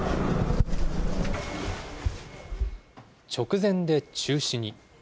直前で中止に。